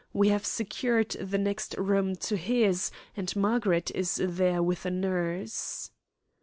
We have secured the next room to his, and Margaret is there with a nurse."